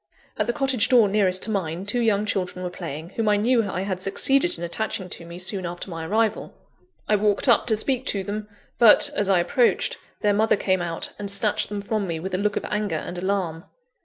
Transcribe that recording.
At the cottage door nearest to mine, two young children were playing, whom I knew I had succeeded in attaching to me soon after my arrival. I walked up to speak to them; but, as I approached, their mother came out, and snatched them from me with a look of anger and alarm.